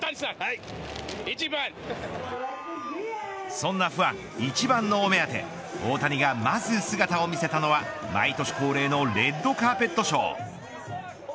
そんなファン一番のお目当て大谷がまず姿を見せたのは毎年恒例のレッドカーペットショー。